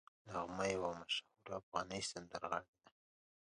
نغمه یوه مشهوره افغان سندرغاړې ده